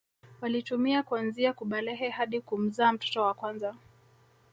Walitumia kuanzia kubalehe hadi kumzaa mtoto wa kwanza